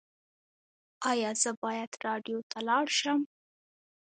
ایا زه باید راډیو ته لاړ شم؟